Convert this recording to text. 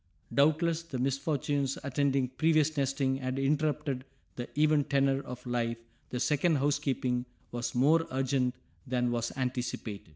Doubtless the misfortunes attending previous nesting had interrupted the even tenor of life, the second housekeeping was more urgent than was anticipated.